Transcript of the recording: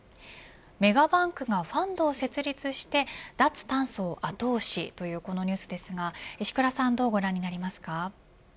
メガバンクがファンドを設立して脱炭素を後押しというこのニュースですが石倉さんはどうご覧になりますか。